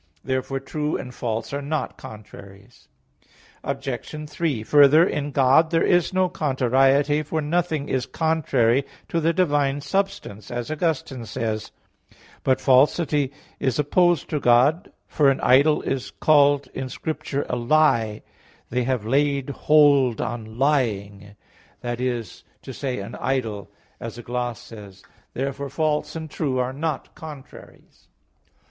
Therefore true and false are not contraries. Obj. 3: Further, in God there is no contrariety, for "nothing is contrary to the Divine Substance," as Augustine says (De Civ. Dei xii, 2). But falsity is opposed to God, for an idol is called in Scripture a lie, "They have laid hold on lying" (Jer. 8:5), that is to say, "an idol," as a gloss says. Therefore false and true are not contraries.